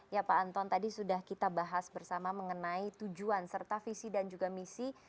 ya pak anton tadi sudah kita bahas bersama mengenai tujuan serta visi dan juga misi